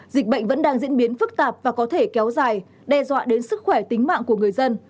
dịch bệnh vẫn đang diễn biến phức tạp và có thể kéo dài đe dọa đến sức khỏe tính mạng của người dân